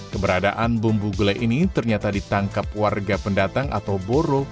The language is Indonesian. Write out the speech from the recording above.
keberadaan bumbu gulai ini ternyata ditangkap warga pendatang atau boro